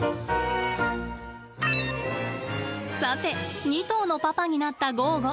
さて、２頭のパパになったゴーゴ。